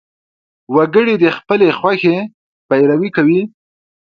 وګړي د خپلې خوښې پیروي کوي.